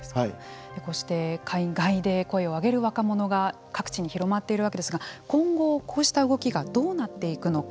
こうして、海外で声を上げる若者が各地に広まっているわけですが今後、こうした動きがどうなっていくのか。